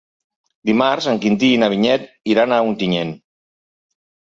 Dimarts en Quintí i na Vinyet iran a Ontinyent.